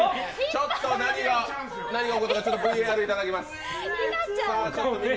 ちょっと何が起こったかＶＡＲいただきます。